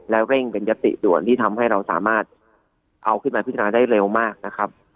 และเร่งเป็นยติด่วนที่ทำให้เราสามารถเอาขึ้นมาพิจารณาได้เร็วมากนะครับ